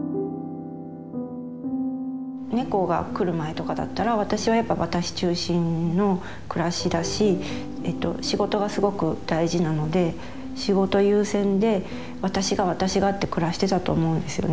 猫が来る前とかだったら私はやっぱ私中心の暮らしだし仕事がすごく大事なので仕事優先で私が私がって暮らしてたと思うんですよね。